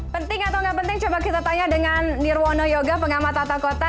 penting atau nggak penting coba kita tanya dengan nirwono yoga pengamat tata kota